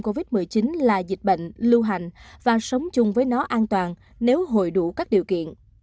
covid một mươi chín là dịch bệnh lưu hành và sống chung với nó an toàn nếu hội đủ các điều kiện